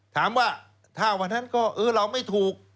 ถามว่าถ้าวันนั้นก็เออเราไม่ถูก